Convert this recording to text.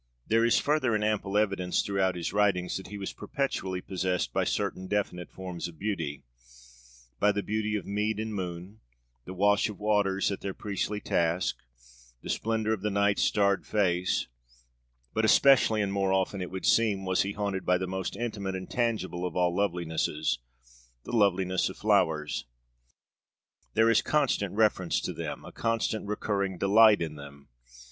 There is further and ample evidence throughout his writings that he was perpetually possessed by certain definite forms of beauty: by the beauty of mead and moon, the wash of waters at their priestly task, the splendor of the night's starred face; but very especially and more often, it would seem, was he haunted by that most intimate and tangible of all lovelinesses the loveliness of flowers. There is constant reference to them, a constant recurring delight in them.